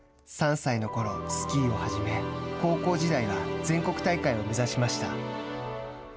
３歳のころ、スキーを始め高校時代は全国大会を目指しました。